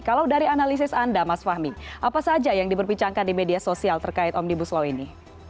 kalau dari analisis anda mas fahmi apa saja yang diperbincangkan di media sosial terkait omnibus law ini